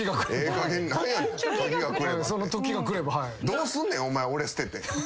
どうすんねんお前俺捨てて。